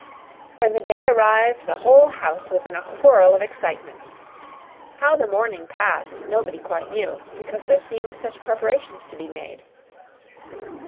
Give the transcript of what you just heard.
When the day arrived the whole house was in a whirl of excitement. How the morning passed nobody quite knew, because there seemed such preparations to be made.